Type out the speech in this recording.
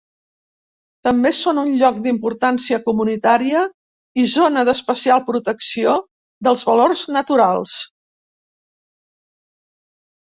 També són un Lloc d'Importància Comunitària i Zona d'especial protecció dels valors naturals.